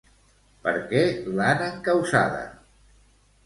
Per què l'han encausada?